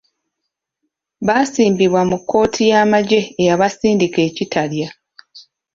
Baasimbibwa mu kkooti y’amagye eyabasindika e Kitalya.